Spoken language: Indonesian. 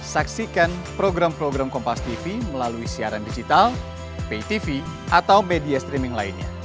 saksikan program program kompas tv melalui siaran digital pay tv atau media streaming lainnya